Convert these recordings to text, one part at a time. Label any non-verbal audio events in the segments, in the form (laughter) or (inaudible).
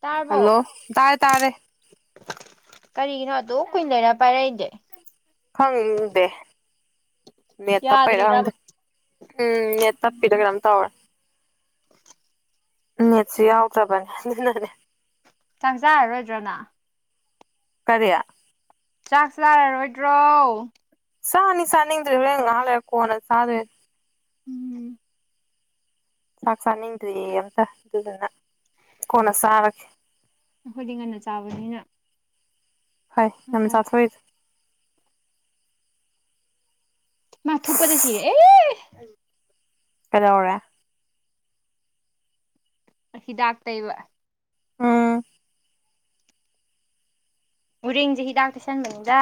ꯇꯥꯔꯕꯣ ꯍꯜꯂꯣ ꯇꯥꯏꯦ ꯇꯥꯔꯦ ꯀꯔꯤꯒꯤꯅꯣ ꯑꯗꯨꯣ ꯀꯨꯏꯅ ꯂꯩꯔ ꯄꯥꯏꯔꯛꯏꯗꯤꯦ ꯈꯪꯗꯦ ꯌꯥꯗ꯭ꯔꯤꯔꯕ ꯅꯦꯠꯇꯄꯩꯔꯛꯪꯗꯦ ꯎꯝ ꯅꯦꯠ ꯇꯞꯄꯤꯗ ꯀꯩꯅꯣꯝ ꯇꯧꯔꯦ ꯅꯦꯠꯁꯨ ꯌꯥꯎꯗ꯭ꯔꯕꯅꯤ ꯔꯦ ꯆꯪ ꯆꯥꯔꯔꯣꯏꯗ꯭ꯔꯅ ꯀꯗꯌꯥ ꯆꯥꯛꯁꯨ ꯆꯥꯔꯔꯣꯏꯗ꯭ꯔꯣ ꯁꯥꯥꯅꯤ ꯁꯥꯥꯅꯤ ꯇꯂ ꯉꯥꯂ ꯀꯣꯅꯦ ꯁꯥꯗꯦ ꯎꯝ ꯆꯥꯛ ꯆꯥꯅꯤꯡꯗ꯭ꯣꯏꯌꯦ ꯑꯝꯇ ꯑꯗꯨꯗꯨꯅ ꯀꯣꯟꯅ ꯆꯥꯔꯒꯦ ꯑꯩꯈꯣꯏꯗꯤ ꯉꯟꯅ ꯆꯥꯕꯅꯤꯅ ꯍꯣꯏ ꯌꯥꯝ ꯆꯥꯊꯣꯛꯔꯤꯁ ꯃꯥꯊ ꯎꯄꯗ ꯁꯤ ꯑꯦ ꯀꯗꯧꯔꯦ ꯍꯤꯗꯥꯛꯇꯕ ꯎꯝ ꯎꯔꯤꯦꯡꯁꯦ ꯍꯤꯗꯥꯛꯇꯣꯏꯁꯟꯕꯗ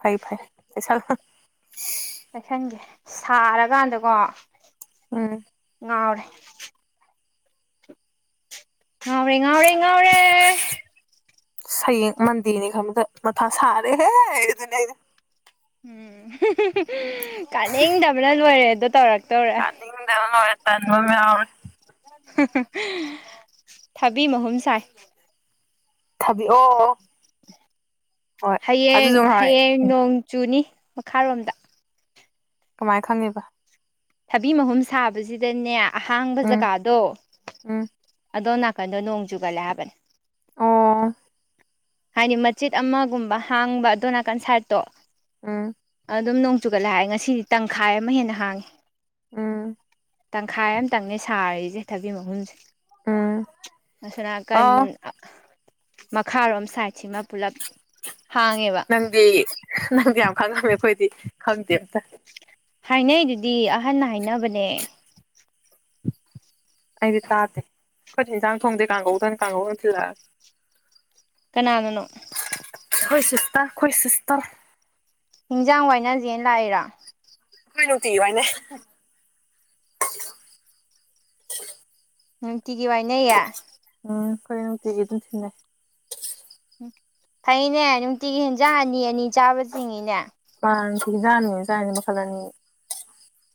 ꯐꯩ ꯐꯥꯏ ꯆꯠ ꯀꯩꯁꯟꯒꯦ ꯁꯥꯔꯀꯥꯟꯗꯀꯣ ꯎꯝ ꯍꯔ ꯉꯥꯎꯔꯦ ꯉꯥꯎꯔꯦ ꯉꯥꯎꯔꯦ ꯁꯌꯦꯡ ꯃꯟꯗꯤꯅꯤ ꯈꯗ ꯃꯊꯪ ꯁꯥꯔꯦꯍꯦ ꯑꯗꯨꯅꯦ ꯑꯩ ꯎꯝ ꯀꯥꯅꯤꯡꯗꯕꯅ ꯂꯣꯏꯔꯦ ꯑꯗꯨꯗꯣ ꯇꯧꯔꯛꯀꯦ ꯀꯅꯤꯡꯗꯅ ꯑꯣꯏ ꯇ ꯃ ꯊꯕꯤ ꯃꯍꯨꯝ ꯁꯥꯏ ꯊꯕꯤ ꯑꯣ ꯍꯌꯦꯡ ꯍꯌꯦꯡ ꯅꯣꯡ ꯆꯨꯅꯤ ꯃꯈꯥꯔꯣꯝꯗ ꯀꯃꯥꯏꯅ ꯈꯪꯉꯤꯕ ꯊꯕꯤ ꯃꯍꯨꯝ ꯁꯥꯕꯁꯤꯗꯅꯦ ꯑꯍꯥꯡꯕ ꯎꯝ ꯖꯒꯥꯗꯣ ꯎꯝ ꯑꯗꯣ ꯀꯟꯗꯣ ꯅꯣꯡ ꯆꯨꯒꯠꯂꯦ ꯍꯥꯏꯕꯅꯦ ꯑꯣꯥ ꯍꯥꯏꯗꯤ ꯃꯆꯦꯠ ꯑꯃꯒꯨꯝꯕ ꯍꯥꯡꯕ ꯑꯗꯨꯅ ꯀꯟꯁꯔꯠꯇꯣ ꯎꯝ ꯑꯗꯨꯝ ꯅꯣꯡ ꯆꯨꯒꯠꯂ ꯍꯥꯏꯦ ꯉꯁꯤꯗꯤ ꯇꯪꯈꯥꯏ ꯑꯃ ꯍꯦꯟꯅ ꯍꯥꯡꯉꯤ ꯎꯝ ꯇꯪꯈꯥꯏ ꯑꯃꯇꯪꯅꯩ ꯁꯥꯔꯤꯁꯦ ꯊꯕꯤꯛ ꯃꯍꯨꯨꯝꯁꯦ ꯎꯝ ꯑꯁꯅ ꯀ ꯑꯣ ꯃꯈꯥꯔꯣꯝ ꯁꯥꯏꯠꯁꯤꯃ ꯄꯨꯂꯞ ꯍꯥꯡꯉꯦꯕ ꯅꯪꯗꯤ ꯅꯪꯗꯤ ꯌꯥꯝ ꯈꯪꯉꯝꯃꯦ ꯑꯩꯈꯣꯏꯗꯤ ꯈꯪꯗꯦ ꯑꯝꯇ ꯍꯥꯏꯅꯩ ꯑꯗꯨꯗꯤ ꯑꯍꯟꯅ ꯍꯥꯏꯅꯕꯅꯦ ꯑꯩꯗꯤ ꯇꯥꯗꯦ ꯑꯩꯣꯏꯗꯤ ꯏꯟꯁꯥꯡ ꯊꯣꯡꯗꯦ ꯀꯥꯡꯒꯧ ꯊꯅ ꯀꯥꯡꯍꯧꯅ ꯊꯤꯜꯂꯛꯑꯒꯦ ꯀꯅꯥꯗꯅꯣ ꯈꯣꯏ ꯁꯤꯁꯇ ꯈꯣꯏ ꯁꯤꯁꯇ ꯍꯤꯟꯖꯥꯡ ꯋꯥꯏꯅꯁꯦꯅ ꯂꯥꯛꯏꯔꯥ ꯀꯣꯏꯅ ꯀꯤ ꯍꯥꯏꯅꯦ ꯎꯝ ꯀꯤ ꯀ ꯋꯥꯥꯏꯅꯦꯌꯦ ꯎꯝ ꯀꯔ ꯅꯨꯡꯇꯤꯒꯤ ꯑꯗꯨꯝ ꯊꯤꯟꯅꯩ ꯐꯩꯅꯦ ꯅꯨꯡꯇꯤꯒꯤ ꯍꯦꯟꯖꯥꯡ ꯑꯅꯤ ꯑꯅꯤ ꯆꯥꯕ ꯆꯤꯡꯉꯤꯅꯦ ꯌꯥ ꯊ ꯌꯥꯥꯏꯅꯤ ꯃꯈꯁꯜꯂꯅꯤ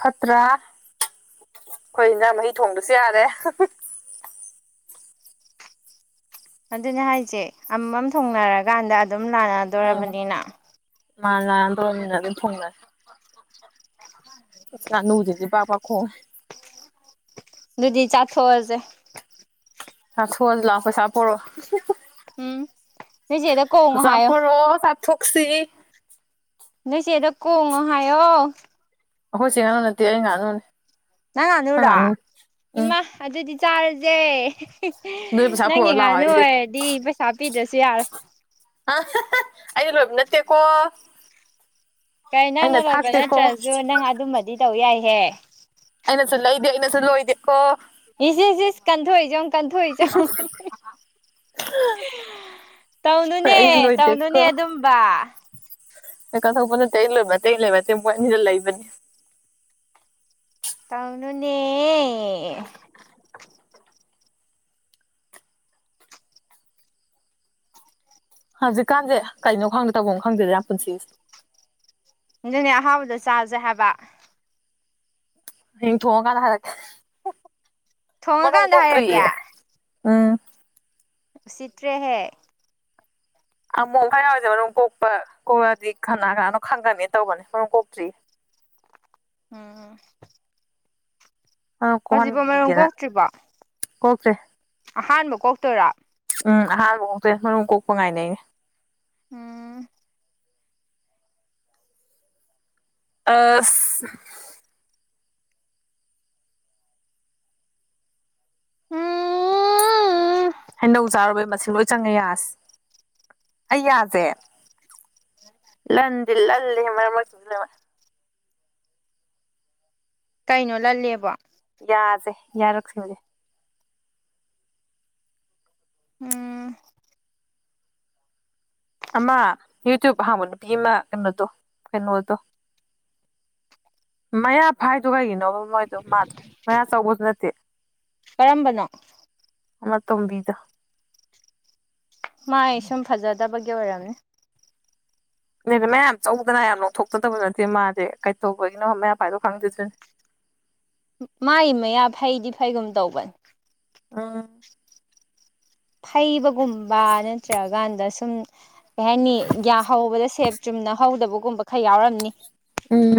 ꯐꯠꯇ꯭ꯔꯥ ꯑꯩꯈꯣꯏꯅ ꯃꯍꯤ ꯊꯣꯡꯕꯁꯨ ꯌꯥꯔꯦ ꯑꯗꯨꯅꯦ ꯍꯥꯏꯁꯦ ꯑꯃꯃꯝ ꯊꯨꯡꯅꯔꯀꯥꯟꯗ ꯑꯗꯨꯝ ꯂꯥꯟꯅꯗꯣꯔꯕꯅꯤꯅ ꯃꯥ ꯂꯗꯧꯔꯃꯤꯅ ꯑꯗꯨꯝ ꯊꯣꯡꯅꯔꯦ ꯅꯅꯨꯡꯖꯗꯤ ꯄꯕꯥ ꯈꯣ ꯑꯗꯨꯗꯨꯗꯤ ꯆꯥꯊꯣꯛꯑꯁꯦ ꯍꯥ ꯊꯣꯖꯤ ꯂꯥꯎ ꯄꯩꯁꯥ ꯄꯔꯣ ꯎꯝ ꯦꯗ ꯀꯉ ꯍꯥꯏꯣ ꯊꯣꯛꯁꯤ ꯅꯣꯏꯆꯦꯗꯣ ꯀꯣꯡꯉꯣ ꯍꯥꯏꯌꯣ ꯍꯣꯏ ꯁꯤ ꯉꯅ ꯅꯠꯇꯦ ꯑꯩ ꯉꯥꯟꯅꯣꯅꯦ ꯅꯥꯟꯅꯣꯨꯔ ꯎꯝ ꯏꯃ ꯑꯗꯨꯗꯤ ꯆꯥꯔꯖꯦ ꯅ ꯄꯩꯁꯥ ꯄꯨꯔ ꯂꯥꯛꯑꯣꯏꯁꯦ ꯑꯣꯏꯔꯗꯤ ꯄꯩꯁꯥ ꯄꯤꯗ꯭ꯔꯁꯨ ꯌꯥꯔꯦ ꯑꯩꯗꯤ ꯂꯣꯏꯕ ꯅꯠꯇꯦꯀꯣ ꯀꯩ ꯅꯪꯅ ꯑꯩꯅ ꯂꯣꯏꯕ ꯊꯥꯛꯇꯦꯀꯣ ꯅꯠꯇ꯭ꯔꯁꯨ ꯅꯪ ꯑꯗꯨꯝꯕꯗꯤ ꯇꯧ ꯌꯥꯏꯍꯦ ꯑꯩꯅ ꯁꯜꯂ ꯏꯗꯦ ꯑꯩꯅ ꯁꯜꯂ ꯑꯣꯏꯣꯏꯗꯦ ꯏꯁꯦ ꯀꯟꯊꯣꯛꯏꯆ ꯀꯟꯊꯣꯛꯏꯆ ꯇꯧꯅꯨꯅꯦ ꯑꯩꯅ ꯇꯧꯅꯨꯅꯦ ꯑꯗꯨꯝꯕ ꯍ ꯀꯠꯊꯣꯛꯄ ꯅꯠꯇꯦ ꯂꯣꯏꯕ ꯇꯇꯩ ꯂꯩꯣꯏꯕ ꯇꯦ ꯃ ꯑꯅꯤꯗ ꯂꯩꯕꯅꯤ ꯇꯥꯎꯅꯅꯦ ꯍꯧꯖꯤꯛꯀꯥꯟꯁꯦ ꯀꯩꯅꯣ ꯈꯪꯗꯦ ꯇꯧꯕ ꯈꯪꯗꯁꯦ ꯌꯥꯝ ꯄꯨꯟꯁꯤꯁꯦ ꯑꯗꯨꯅꯦ ꯑꯍꯥꯎꯕꯗ ꯆꯥꯁꯦ ꯍꯥꯏꯕ ꯑ ꯊꯣꯡ ꯀꯅ ꯍꯔ ꯊꯣꯡꯉꯀꯥꯟꯗ ꯍꯥꯏꯔꯛꯀꯦ ꯎꯝ ꯎꯁꯤꯠꯇ꯭ꯔꯦꯍꯦꯛ ꯑꯃꯨꯛ ꯈ ꯌꯥꯎꯔꯁꯦ ꯃꯔꯨꯝ ꯀꯣꯛꯄ ꯀꯣꯛꯑꯗꯤ ꯀꯅꯥ ꯀꯅꯥꯅꯣ ꯈꯪꯒꯅꯤ ꯇꯧꯕꯅꯦ ꯃꯔꯨꯝ ꯀꯣꯛꯇ꯭ꯔꯤ (unintelligible) ꯑꯝ ꯑ ꯀꯍꯟꯒꯅ ꯀꯣꯛꯇ꯭ꯔꯤꯕꯣ ꯍꯈ꯭ꯔꯦ ꯑꯍꯥꯟꯕ ꯀꯣꯛꯇꯣꯏꯔꯥ ꯎꯝ ꯑꯍꯥꯟꯕꯃꯥꯎꯛꯇꯦ ꯃꯔꯨꯝ ꯀꯣꯛꯄ ꯉꯥꯏꯅꯩꯌꯦ ꯑꯝ ꯑ ꯎꯝ ꯍꯩꯅꯧ ꯆꯥꯨꯔꯕꯩ ꯃꯁꯤꯡ ꯂꯣꯏ ꯆꯪꯉꯦ ꯌꯥꯁ ꯑꯩ ꯌꯥꯁꯦ ꯂꯟꯗꯤ ꯂ ꯃꯁ ꯂꯩ ꯀꯩꯅꯣ ꯂꯜꯂꯦꯕ ꯌꯥꯁꯦ ꯌꯥꯔꯛꯁꯤ ꯃꯁꯦ ꯎꯝ ꯑꯃ ꯌꯨꯇꯨꯕ ꯍ ꯃ ꯅꯨꯄꯤꯃ ꯀꯩꯅꯣ ꯀꯩꯅꯣ ꯃꯌꯥ ꯐ ꯍꯥꯏꯥꯏ ꯇꯨ ꯑꯣꯏꯒꯅ ꯃꯣꯏꯗ ꯃꯥꯗ ꯃꯌꯥꯝ ꯆꯧꯕꯨ ꯅ ꯀꯔꯝꯕꯅꯣ ꯑꯃ ꯇꯨꯡꯕꯤꯗ ꯃꯥꯥꯏ ꯁꯨꯝ ꯐꯖꯗꯕꯒꯤ ꯑꯣꯏꯔꯝꯅꯤ ꯅꯗꯤ ꯃꯌꯥꯝ ꯆꯧꯗꯅ ꯌꯥꯝ ꯅꯣꯛꯊꯣꯛꯇꯗꯕ ꯅꯠꯇꯦ ꯃꯥꯗꯤꯦ ꯀꯩꯇꯧꯕꯒꯤꯅꯣ ꯃꯌꯥꯝ ꯄꯥꯏꯗꯣ ꯈꯪꯗꯦꯗꯅꯦ ꯃꯥꯒꯤ ꯃꯌꯥ ꯐꯩꯗꯤ ꯐꯩꯒꯨꯝ ꯇꯧꯕꯅꯤ ꯑꯥ ꯐꯩꯕꯒꯨꯝꯕ ꯅꯠꯇ꯭ꯔꯀꯥꯟꯗ ꯁꯨꯝ ꯀꯩ ꯍꯥꯏꯅꯤ ꯒ꯭ꯌꯥ ꯍꯧꯕꯗ ꯁꯦꯞ ꯆꯨꯝꯅ ꯍꯧꯗꯕꯒꯨꯝꯕ ꯈꯔ ꯌꯥꯎꯔꯝꯅꯤ ꯎꯝ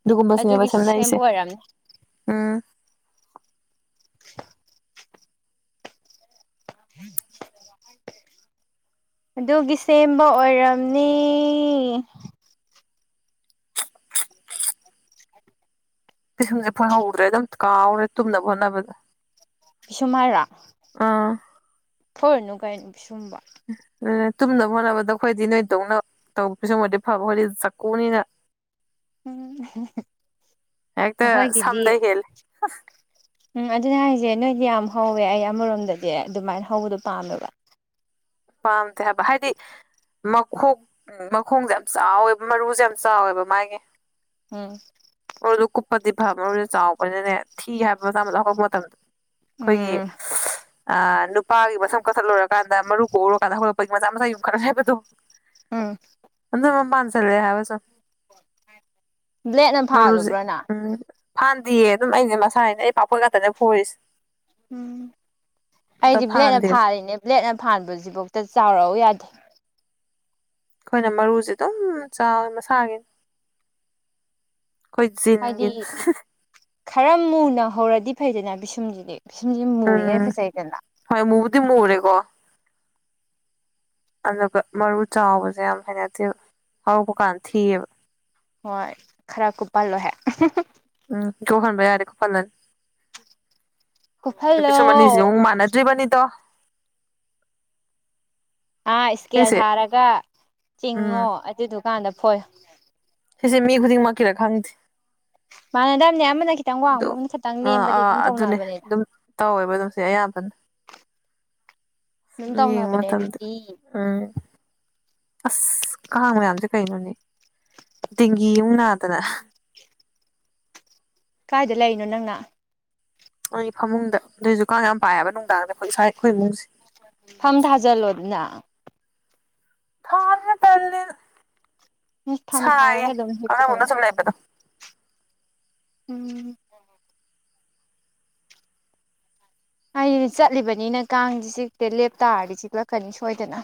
ꯑꯗꯨꯒꯗꯨ ꯀꯨꯝꯕ ꯑꯗꯨꯒꯤ ꯁꯤꯅꯦꯕ ꯁꯦꯝꯅꯏꯁꯦ ꯁꯦꯝꯕ ꯑꯣꯏꯔꯝꯅꯤ ꯎꯝ ꯍꯝ ꯑꯗꯨꯒꯤ ꯁꯦꯝꯕ ꯑꯣꯏꯔꯝꯅꯤ ꯄꯤꯁꯨꯝꯁꯦ ꯐꯪꯍꯧꯗ꯭ꯔꯦ ꯑꯗꯨꯝ ꯀꯥꯎꯔꯦ ꯇꯨꯝꯅꯕ ꯍꯣꯠꯅꯕꯗ ꯄꯤꯁꯃꯥꯏꯔꯥ ꯑꯥ ꯀ ꯁꯨꯝꯕ ꯎ ꯇꯨꯝꯅꯕ ꯍꯣꯠꯅꯕꯗ ꯑꯩꯈꯣꯏꯗꯤ ꯅꯣꯏ ꯇꯧꯅ ꯇꯧꯕꯁꯨꯃꯗꯤ ꯐꯕ ꯍꯣꯏꯗꯤ ꯆꯥꯛꯀꯨꯅꯤꯅ ꯎꯝ ꯑꯦꯗ ꯑꯩꯈꯣꯏꯒꯤꯗꯤ ꯁꯝꯗ ꯍꯦꯜ ꯎꯝ ꯑꯗꯨꯅ ꯍꯥꯏꯁꯦ ꯅꯣꯏꯗꯤ ꯌꯥꯝ ꯍꯧꯋꯦ ꯑꯩ ꯑꯃꯔꯣꯝꯗꯗꯤ ꯑꯗꯨꯃꯥꯏꯅ ꯍꯧꯕꯗꯣ ꯄꯥꯝꯃꯦꯕ ꯄꯝꯇ ꯍꯥꯏꯕ ꯍꯥꯏꯗꯤ ꯃꯈꯣꯛ ꯃꯈꯣꯡꯁꯦ ꯌꯥꯝ ꯆꯥꯎꯋꯦꯕ ꯃꯔꯨꯁꯦ ꯌꯥꯝ ꯆꯥꯎꯋꯦꯕ ꯃꯥꯒꯤ ꯎꯝ ꯃꯔꯨꯗꯣ ꯀꯨꯞꯄꯗꯤ ꯐ ꯃꯔꯨꯗꯨ ꯆꯥꯎꯕꯅꯤꯅꯦ ꯊꯤ ꯍꯥꯏꯕ ꯃꯆꯥ ꯑꯃꯗꯣ ꯍꯧꯔꯛꯄ ꯃꯇꯝꯗꯣ ꯑꯩꯈꯣꯏꯒꯤ ꯎꯝ ꯅꯨꯄꯥꯒꯤ ꯃꯁꯝ ꯀꯛꯊꯠꯂꯨꯔꯀꯥꯟꯗ ꯃꯔꯨꯞ ꯀꯧꯔꯣ ꯀꯥꯟꯗꯣꯔꯛꯣ ꯃꯆꯥ ꯃꯆꯥ ꯌꯨꯝ ꯈꯔ ꯍꯥꯏꯕꯗꯣ ꯑꯥ ꯆꯔꯦ ꯍꯥꯏꯕ ꯆ ꯕ꯭ꯂꯦꯠꯅ ꯃꯔꯨꯖ ꯐꯥꯜꯂꯨꯕ꯭ꯔꯥ ꯅꯪ ꯎꯝ ꯐꯥꯟꯗꯦꯌꯦ ꯑꯗꯨꯝ ꯑꯩꯅꯦ ꯃꯁꯥ ꯍꯥꯏꯅ ꯑꯩ ꯄꯥꯐꯣꯏ ꯉꯥꯛꯇꯅꯦ ꯐꯣꯔꯤꯁꯦ ꯎꯝ ꯑꯩꯗꯤ ꯕ꯭ꯂꯦꯦꯛꯅ ꯐꯥꯟꯗꯦꯕ ꯐꯥꯔꯤꯅꯦ ꯕ꯭ꯂꯦꯦꯛꯅ ꯐꯥꯟꯕꯁꯤꯐꯥꯎ ꯆꯥꯎꯔꯛꯑꯣ ꯌꯥꯗꯦ ꯑꯩꯈꯣꯏꯅ ꯃꯔꯨꯁꯦ ꯑꯗꯨꯝ ꯆꯥꯎꯋꯤ ꯃꯁꯥꯒꯤꯅꯤ ꯀꯣꯏ ꯍꯥꯏꯗꯤ ꯖꯤꯤꯟꯒꯤꯟ ꯈꯔ ꯃꯨꯅ ꯍꯧꯔꯗꯤ ꯐꯩꯗꯅ ꯤꯁꯨꯝꯁꯤꯗꯤ ꯕꯤꯁꯨꯝꯁꯤ ꯃꯨꯔꯤꯉꯩ ꯐꯖꯩꯗꯅ ꯗꯤ ꯃꯔꯦꯀꯣ ꯑꯗꯨꯒ ꯃꯔꯨ ꯆꯥꯎꯕꯁꯦ ꯌꯥꯝ ꯍꯦꯅꯛꯇꯤ ꯍꯧꯔꯛꯄ ꯀꯥꯟ ꯊꯤꯌꯦꯕ ꯍꯣꯏ ꯈꯔ ꯀꯨꯞꯍꯜꯂꯣꯍꯦ ꯎꯝ ꯀ ꯍꯟꯕ ꯌꯥꯔꯦꯀꯣ ꯄꯂꯅ ꯅꯨꯄꯤ ꯀꯨꯞꯍꯜꯂꯣ ꯁꯨꯝ ꯑꯅꯤꯁꯤ ꯑꯃꯨꯛ ꯃꯥꯟꯅꯗ꯭ꯔꯤꯕꯅꯤꯗꯣ ꯑꯥ ꯏꯁꯀꯦꯜ ꯁꯤꯁꯦ ꯊꯥꯔꯒ ꯆꯤꯡꯉꯣ ꯎꯝ ꯑꯗꯨꯗꯨꯀꯥꯟꯗ ꯐꯣꯏ ꯑꯩꯁꯦ ꯃꯤ ꯈꯨꯗꯤꯡꯃꯛꯀꯤꯔꯥ ꯈꯪꯗꯦ ꯃꯥꯥꯟꯗꯝꯅ‌ꯦ ꯌꯥꯝ ꯈꯤꯇꯪ ꯑꯗꯣ ꯋꯥꯡꯕ ꯈꯈꯤꯛꯇꯪ ꯑꯥ ꯅꯦꯝꯕꯗꯤ ꯑꯥ ꯑꯗꯨꯝ ꯑꯗꯨꯅꯦ ꯇꯧꯅꯕꯅꯦꯅ (inaudible) ꯑꯗꯨꯝ ꯇꯧꯋꯦꯕ ꯑꯗꯨꯝ ꯁꯤ ꯑꯌꯥꯝꯕꯅ ꯁꯨꯝ ꯌꯦꯡ ꯃꯇꯝꯗ ꯎꯝ ꯑꯁ ꯀꯥꯡ ꯃꯌꯥꯝꯁꯦ ꯀꯩꯅꯣꯅꯦ ꯗꯦꯡꯒꯤꯌꯨ ꯅꯥꯗꯅ ꯀꯗꯥꯥꯏꯗ ꯂꯩꯔꯤꯅꯣ ꯅꯪꯅ ꯅꯣꯏꯒꯤ ꯐꯃꯨꯡꯗ ꯑꯗꯨꯏꯁꯨ ꯀꯥꯡ ꯌꯥꯝ ꯄꯥꯏꯑꯕ ꯅꯨꯡꯗꯥꯡꯗ ꯑꯩꯈꯣꯏ ꯏꯁꯥ ꯑꯩꯈꯣꯏ ꯏꯃꯨꯡꯁꯦ ꯐꯝ ꯊꯥꯖꯜꯂꯣ ꯑꯗꯨꯅ ꯊꯥꯔꯅꯦ ꯇꯅꯤ ꯐꯝ ꯁꯥꯏꯌꯦ ꯊꯥꯔꯒ ꯑꯗꯨꯝ ꯀꯅ ꯍꯤꯞꯄꯨ ꯑꯣꯅ ꯀꯩꯅꯣ ꯁꯅꯄꯗ ꯎꯝ ꯍꯥꯏ ꯆꯠꯂꯤꯕꯅꯤꯅ ꯀꯥꯡꯁꯦ ꯆꯤꯛꯇꯦ ꯂꯦꯞꯇꯥꯥꯔꯗꯤ ꯆꯤꯛꯂꯛꯀꯅꯤ ꯁꯣꯏꯗꯅ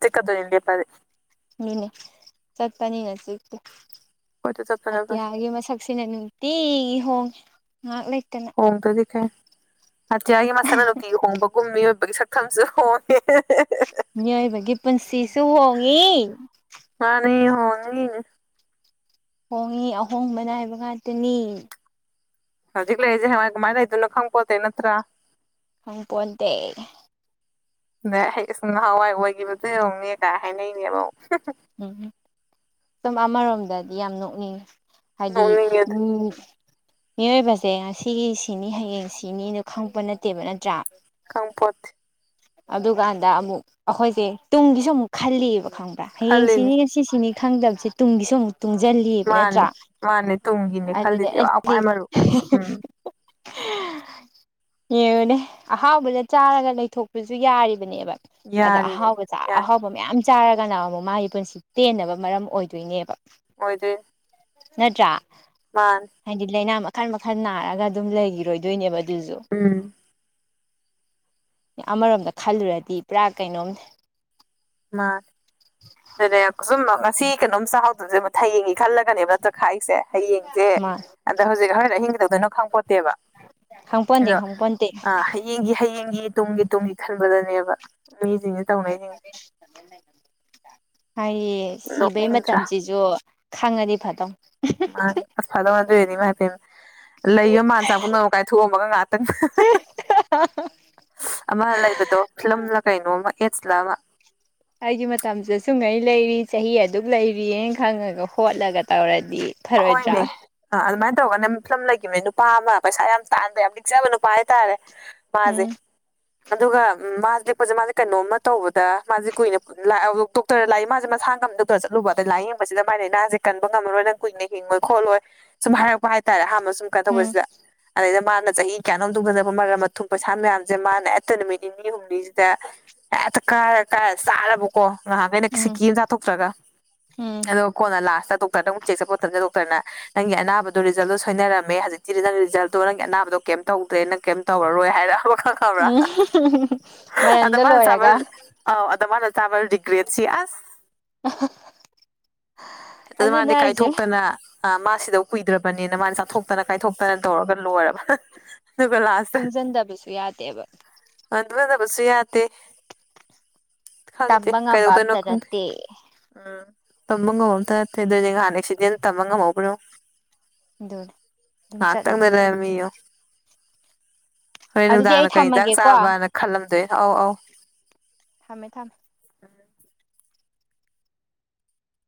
ꯆꯤ ꯀꯗꯨꯣ ꯑꯣꯏꯅꯗꯤꯄꯥꯗꯤ ꯑꯗꯨꯅꯦ ꯆꯠꯄꯅꯤꯅ ꯆꯤꯛꯇꯤ ꯀꯣꯏꯆꯠ ꯆꯠꯄꯅ ꯐꯩ ꯑꯠꯇꯤꯌꯥꯒꯤ ꯃꯁꯛꯁꯤꯅ ꯅꯨꯡꯇꯤꯒꯤ ꯍꯣꯡꯉꯦ ꯉꯥꯏꯍꯥꯛ ꯂꯩ ꯍꯣꯡꯝꯗ ꯆꯈꯦ ꯑꯇꯤꯌꯥꯒꯤ ꯃꯁꯅ ꯅꯨꯡꯇ ꯍꯣꯡꯕꯒꯨꯝ ꯃꯤꯑꯣꯏꯕꯒꯤ ꯁꯛꯛꯇꯝꯁꯨ ꯍꯣꯡꯉꯦ ꯁꯨꯍꯉꯤ ꯑꯅꯤ ꯍꯅꯦ ꯍꯣꯡꯉꯤ ꯑꯍꯣꯡꯕꯅꯥꯏꯕ ꯉꯥꯛꯇꯅꯤ ꯍꯧꯖꯤꯛꯂꯖ ꯍ ꯃꯥꯥꯏ ꯑꯗꯨꯅ ꯈꯪꯄꯣꯠꯇꯦ ꯅꯠꯇꯥ ꯍꯪ ꯄꯣꯟꯣꯟꯗ ꯑꯁꯨꯝ ꯅꯍꯥꯟꯋꯥꯏ ꯑꯣꯏꯈꯤꯕꯗꯨ ꯌꯦꯡꯧꯅꯦꯒꯥꯏ ꯍꯥꯏꯅꯩꯅꯦꯕ ꯎꯝꯝ ꯁꯨꯝ ꯑꯃꯔꯣꯝꯗꯗꯤ ꯌꯥꯝ ꯅꯣꯛꯅꯤꯡꯉꯤ ꯍꯥꯏꯗꯤ ꯅꯣꯛꯅꯤꯡꯉꯦ ꯑꯗꯨ ꯎꯝ ꯃꯤꯑꯣꯏꯕꯁꯦ ꯉꯁꯤꯒꯤ ꯁꯤꯅꯤ ꯍꯌꯦꯡ ꯁꯤꯅꯤꯅꯣ ꯈꯪꯉꯛꯄ ꯅꯠꯇꯦꯕ ꯅꯠꯇ꯭ꯔꯥ ꯀꯥꯡꯝꯄꯠ ꯑꯗꯨꯀꯥꯟꯗ ꯑꯃꯨꯛ ꯑꯩꯈꯣꯏꯁꯦ ꯇꯨꯡꯒꯤꯁꯨ ꯑꯃꯨꯛ ꯈꯜꯂꯤꯦꯕ ꯈꯪꯕ꯭ꯔꯥ ꯍꯌꯦꯡ ꯈꯜꯂꯤꯅꯤ ꯁꯤꯅꯤ ꯁꯤꯁꯤꯅꯤ ꯈꯪꯗꯕꯁꯦ ꯇꯨꯡꯒꯤꯁꯨ ꯑꯃꯨꯛ ꯇꯨꯡꯁꯤꯜꯂꯤꯕ ꯅꯠꯇ꯭ꯔꯥ ꯃꯥꯅꯤ ꯃꯥꯅꯦ ꯇꯨꯡꯒꯤꯅꯦ ꯑꯗꯨꯗꯤ ꯈꯜꯂꯤꯁꯦ ꯋꯥ ꯑꯩꯗꯤ ꯈ꯭ꯋꯥꯏ ꯃꯔꯨ ꯎꯝ ꯌꯦꯡꯉꯨꯅꯦ ꯑꯍꯥꯎꯕꯗ ꯆꯥꯔꯒ ꯂꯩꯊꯣꯛꯄꯁꯨ ꯌꯥꯔꯤꯕꯅꯦꯕ ꯑꯗꯣ ꯌꯥꯔꯤꯅꯦ ꯑꯍꯥꯎꯕꯗ ꯌꯥꯔꯤ ꯑꯍꯥꯎꯕ ꯃꯌꯥꯝ ꯆꯥꯔꯒꯅ ꯑꯃꯨꯛ ꯃꯥꯒꯤ ꯄꯨꯟꯁꯤ ꯄꯦꯟꯅꯕ ꯃꯔꯝ ꯑꯣꯏꯗꯣꯏꯅꯦꯕ ꯅꯣꯏꯗꯤ ꯅꯠꯇ꯭ꯔꯥ ꯍꯥꯏꯗꯤ ꯂꯥꯏꯅꯥ ꯃꯈꯜ ꯃꯈꯜ ꯅꯥꯔꯒ ꯑꯗꯨꯝ ꯂꯩꯈꯤꯔꯣꯏꯗꯣꯏꯅꯦꯕ ꯖꯨ ꯎꯝ ꯑꯃꯔꯣꯝꯗ ꯈꯜꯂꯨꯔꯗꯤ ꯄꯨꯔꯥ ꯀꯩꯅꯣꯝꯅꯦ ꯃꯥꯅꯦ ꯑꯗꯨꯅꯦ ꯁꯨꯝ ꯉꯁꯤ ꯀꯩꯅꯣꯝ ꯆꯥꯍꯧꯗꯕꯁꯦ ꯑꯃꯨꯛ ꯊꯌꯦꯡꯉꯤ ꯈꯜꯂꯒꯅꯦꯕ ꯅꯠꯇ꯭ꯔꯣ ꯈꯥꯏꯁꯦ ꯍꯌꯦꯡꯁꯦ ꯃꯥ ꯑꯗ ꯍꯧꯖꯤꯛ ꯍꯣꯔꯦꯟ ꯑꯍꯤꯡꯒꯗꯧꯗꯅ ꯈꯪꯄꯣꯠꯇꯦꯕ ꯈꯪꯄꯣꯟꯇꯦ ꯑꯗꯣ ꯈꯪꯄꯣꯟꯇꯦ ꯑ ꯍꯌꯦꯡꯒꯤ ꯍꯌꯦꯡꯒꯤ ꯇꯨꯡꯒꯤ ꯇꯨꯡꯒꯤ ꯈꯟꯕꯗꯅꯦꯕ ꯃꯤꯖꯁꯤꯡ ꯆꯥꯎꯅꯦꯁꯤꯡ ꯍꯥꯏꯗꯤ ꯁꯤꯕꯩ ꯅꯣꯛꯅꯤꯡꯗ꯭ꯔꯥ ꯃꯇꯝꯁꯤꯁꯨ ꯈꯪꯉꯅꯤ ꯐꯗꯧ ꯃꯥ ꯑꯁ ꯐꯥꯗꯧꯅꯗꯣꯏꯅꯤ ꯃꯥ ꯍꯥꯏꯄꯦꯟ ꯂꯩꯒ ꯃꯥꯟ ꯆꯥꯛ ꯄꯨꯅ ꯀꯥꯏ ꯊꯣꯑꯃꯒ ꯉꯥꯛ (inaudible) ꯑꯃ ꯂꯩꯕꯗꯣ ꯐꯤꯂꯝꯅ ꯀꯩꯅꯣꯃ ꯑꯦꯠꯁꯂ ꯑꯃ ꯑꯩꯒꯤ ꯃꯇꯝꯁꯤꯗ ꯁꯨꯡꯉꯩ ꯂꯩꯔꯤ ꯆꯍꯤ ꯑꯗꯨꯛ ꯂꯩꯔꯤꯅ ꯈꯪꯉꯒ ꯍꯣꯠꯂꯒ ꯇꯧꯔꯗꯤ ꯐꯔꯣꯏꯗ꯭ꯔꯥ ꯍꯣꯏꯅꯦ ꯑꯗꯨꯃꯥꯏꯅ ꯇꯧꯒ ꯅ ꯐꯂꯝ ꯂꯩꯈꯤꯕꯅꯤ ꯅꯨꯄꯥ ꯑꯃ ꯄꯩꯁꯥ ꯌꯥꯝ ꯇꯗ ꯌꯥꯝ ꯂꯤꯅꯤꯛꯆꯕ ꯅꯨꯄꯥ ꯍꯥꯏꯇꯥꯔꯦ ꯃꯥꯁꯦ ꯎꯝ ꯑꯗꯨꯒ ꯃꯥꯁꯦ ꯂꯦꯛꯛꯄꯁꯦ ꯃꯥꯁꯦ ꯀꯩꯅꯣꯝꯃ ꯇꯧꯕꯗ ꯃꯥꯁꯦ ꯀꯨꯏꯅ ꯗꯣꯛꯇꯔꯗ ꯂꯥꯛꯏ ꯃꯥꯁꯦ ꯃꯁ ꯀꯝꯗꯨꯗ ꯆꯠꯂꯨꯕ ꯑꯗꯩꯥꯏ ꯌꯦꯡꯕꯁꯤꯗ ꯃꯅꯅꯥꯁꯦ ꯀꯟ ꯉꯝꯃꯔꯣꯏꯅ ꯀꯨꯏꯅꯦ ꯍꯤꯡꯉꯣꯏ ꯈꯣꯠꯂꯣꯏ ꯁꯨꯝ ꯍꯥꯏꯔꯛꯄ ꯍꯥꯏꯇꯥꯔꯦ ꯑꯍꯥꯟꯕ ꯁꯨꯝ ꯎꯝ ꯀꯩꯗꯧꯕꯁꯤꯗ ꯑꯗꯩꯗ ꯃꯥ ꯃꯥꯅ ꯆꯍꯤ ꯀꯌꯥꯅꯣꯝ ꯇꯧꯗꯗꯕ ꯃꯔꯝ ꯃꯊꯨꯡ ꯄꯩꯁꯥ ꯃꯌꯥꯝꯁꯦ ꯃꯥꯅ ꯍꯦꯠꯇ ꯅꯨꯃꯤꯠ ꯅꯤꯅꯤ ꯍꯨꯝꯅꯤꯁꯤꯗ ꯀꯔꯦ ꯀꯥꯏꯔꯦ ꯆꯥꯔꯕꯀꯣ ꯉꯥꯏꯍꯥꯛꯈ ꯑꯩꯅ ꯎꯝ ꯁꯤꯀꯤ ꯑꯃ ꯆꯥꯊꯣꯛꯇ꯭ꯔꯒ ꯎꯝ ꯑꯗꯨꯒ ꯀꯣꯟꯅ ꯂꯥꯁꯇ ꯗꯣꯛꯇꯔꯅ ꯑꯃꯨꯛ ꯆꯦꯛ ꯆꯄ ꯗꯣꯛꯇꯔꯅ ꯅꯪꯒꯤ ꯑꯅꯥꯕꯗꯣ ꯔꯤꯖꯜꯗꯣ ꯁꯣꯏꯅꯔꯝꯃꯦ ꯍꯧꯖꯤꯛꯇꯤ ꯅ ꯔꯤꯖꯜꯇꯣ ꯅꯪꯒꯤ ꯑꯅꯥꯕꯗꯣ ꯀꯩꯝ ꯇꯧꯗ꯭ꯔꯦ ꯅꯪ ꯀꯝ ꯇꯧꯣꯣꯏ ꯍꯥꯏꯔ ꯈꯕ꯭ꯔꯥ ꯎꯝ ꯑꯗ ꯃꯔꯟꯗ ꯃꯥꯅ ꯆꯕ ꯂꯣꯏꯔꯒ ꯑꯥꯎ ꯑꯗ ꯃꯥꯅ ꯇꯕꯔ ꯗꯤꯒ꯭ꯔꯤꯁꯤ ꯑ ꯑꯗꯨ ꯃꯥꯗꯤ ꯑꯗꯨꯗꯅꯦꯏꯖꯦ ꯀꯥꯏꯊꯣꯛꯇꯅ ꯑ ꯃꯥꯁꯤꯗ ꯀꯨꯏꯗ꯭ꯔꯕꯅꯤꯅ ꯃꯥꯁ ꯆꯥꯊꯣꯛꯇꯅ ꯀꯥꯏꯊꯣꯛꯇꯅ ꯇꯧꯔꯒ ꯂꯣꯏꯔꯕ ꯑꯗꯨꯒ ꯂꯥꯁꯇ ꯇꯨꯡꯁꯤꯟꯗꯕꯁꯨ ꯌꯥꯗꯦꯕ ꯑ ꯑꯗꯨꯕꯅꯕꯁꯨ ꯌꯥꯇꯦ ꯈꯪꯗꯦ ꯇꯝꯕ ꯉꯝꯕ ꯀꯩꯗꯧꯗꯣꯏꯅꯣ ꯑꯝꯇ ꯈꯪꯗꯦ ꯅꯠꯇꯦ ꯎꯝ ꯇꯝꯕ ꯉꯝꯍꯧꯗꯗ ꯍꯥꯟꯅꯦꯛ ꯁꯤꯗꯤ ꯇꯝꯕ ꯉꯝꯍꯧꯕ꯭ꯔꯣ ꯑꯗꯨꯅ ꯑꯗꯨꯝ ꯀꯥꯛ ꯇꯪ ꯆꯠꯂꯤꯗꯨꯅꯤ ꯃꯗ ꯃꯤꯌꯣ ꯍꯣꯏ ꯑꯗꯨꯗꯤ ꯑꯩ ꯅꯨꯡꯗꯥꯡꯅ ꯀꯩ ꯏꯟꯖꯥꯡ ꯊꯝꯃꯒꯦꯀꯣ ꯆꯥꯕꯅ ꯈꯜꯂꯝꯗꯣꯏ ꯑꯧ ꯑꯧ ꯊꯝꯃꯦ ꯊꯝꯃꯦ